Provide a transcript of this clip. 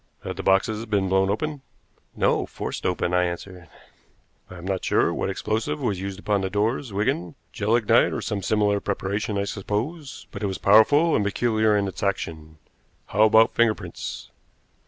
"Had the boxes been blown open?" "No; forced open," I answered. "I am not sure what explosive was used upon the doors, Wigan gelignite or some similar preparation, I suppose but it was powerful and peculiar in its action. How about finger prints?"